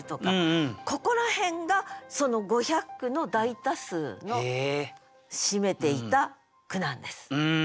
ここら辺が５００句の大多数を占めていた句なんです。